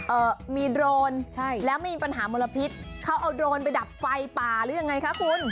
เอ่อมีโดรนใช่แล้วไม่มีปัญหามลพิษเขาเอาโดรนไปดับไฟป่าหรือยังไงคะคุณ